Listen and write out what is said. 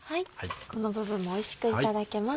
この部分もおいしくいただけます。